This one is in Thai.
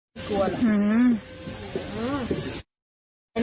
ไม่กลัวหรอ